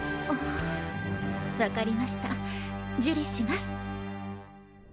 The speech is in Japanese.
分かりました受理します